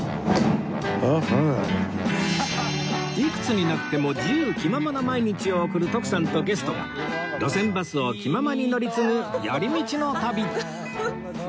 いくつになっても自由気ままな毎日を送る徳さんとゲストが路線バスを気ままに乗り継ぐ寄り道の旅